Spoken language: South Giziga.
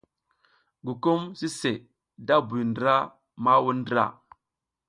Gukum sise da buy ndra ma wuɗ ndra.